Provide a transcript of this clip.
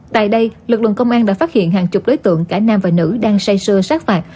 tại đây lực lượng công an đã phát hiện hàng chục đối tượng cả nam và nữ đang say sư sát phạt